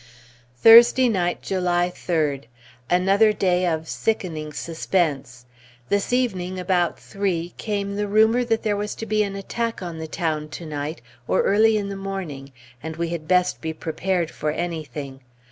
Thursday night, July 3d. Another day of sickening suspense. This evening, about three, came the rumor that there was to be an attack on the town to night, or early in the morning, and we had best be prepared for anything.